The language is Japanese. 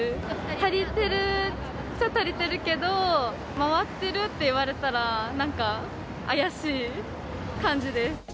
足りてるっちゃ足りてるけど、回ってるっていわれたら、なんか怪しい感じです。